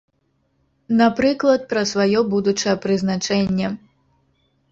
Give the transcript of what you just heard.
Напрыклад, пра сваё будучае прызначэнне.